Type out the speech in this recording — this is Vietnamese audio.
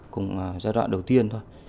cũng giai đoạn đầu tiên thôi